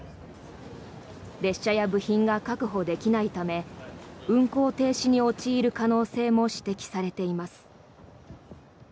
列車や部品が確保できないため運行停止に陥る可能性も指摘されています。